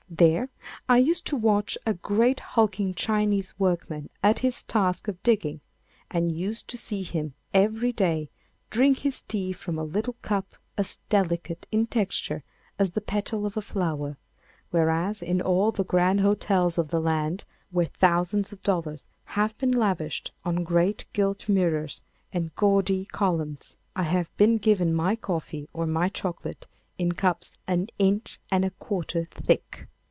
There I used to watch a great hulking Chinese workman at his task of digging, and used to see him every day drink his tea from a little cup as delicate in texture as the petal of a flower, whereas in all the grand hotels of the land, where thousands of dollars have been lavished on great gilt mirrors and gaudy columns, I have been given my coffee or my chocolate in cups an inch and a quarter thick.